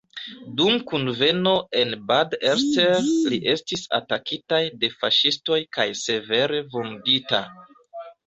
Dum kunveno en Bad Elster li estis atakitaj de faŝistoj kaj severe vundita.